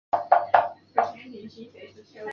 万历二十八年知县。